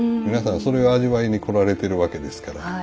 皆さんそれを味わいに来られてるわけですから。